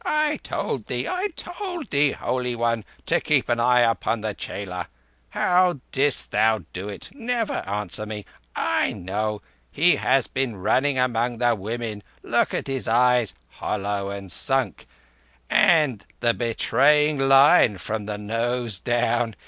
I told thee—I told thee, Holy One, to keep an eye upon the chela. How didst thou do it? Never answer me! I know. He has been running among the women. Look at his eyes—hollow and sunk—and the Betraying Line from the nose down!